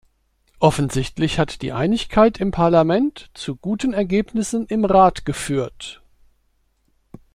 Offensichtlich hat die Einigkeit im Parlament zu guten Ergebnissen im Rat geführt.